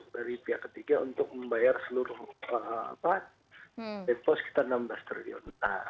karena masuk dari pihak ketiga untuk membayar seluruh depos kita rp enam belas triliun